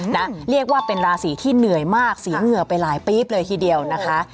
เรียกว่าเป็นราศีที่เหนื่อยมากสีเหงื่อไปหลายปี๊บเลยทีเดียวนะคะ